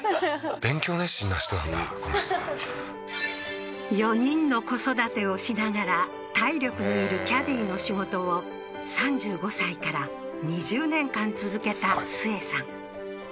勉強熱心な人なんだこの人は４人の子育てをしながら体力のいるキャディの仕事を３５歳から２０年間続けたスエさん